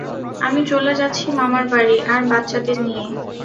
আমি চলে যাচ্ছি মামার বাড়ি, আর বাচ্চাদের নিয়ে।